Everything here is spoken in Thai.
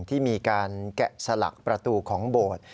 ที่มีการแกะสลักประตูของโบสถ์